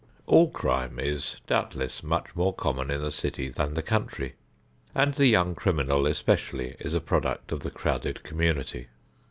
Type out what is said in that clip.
All crime is doubtless much more common in the city than the country, and the young criminal especially is a product of the crowded community.